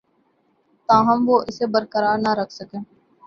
تاہم وہ اسے برقرار نہ رکھ سکے